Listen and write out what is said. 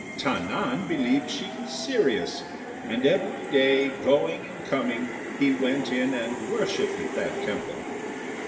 Ta nan believed she was serious; and every day, going and coming, he went in and worshipped at that temple.